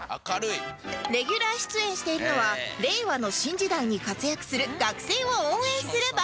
レギュラー出演しているのは令和の新時代に活躍する学生を応援する番組